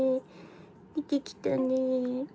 出てきたね。